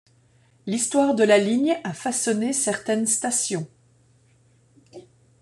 L'histoire de la ligne a façonné certaines stations.